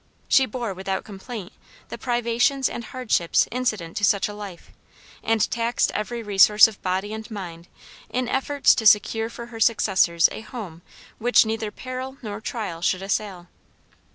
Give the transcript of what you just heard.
She bore without complaint the privations and hardships incident to such a life, and taxed every resource of body and mind in efforts to secure for her successors a home which neither peril nor trial should assail.